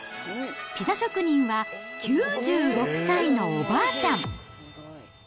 ピザ職人は９６歳のおばあちゃん。